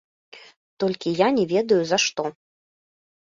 Толькі я не ведаю за што.